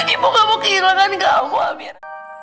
ibu kamu kehilangan kamu amir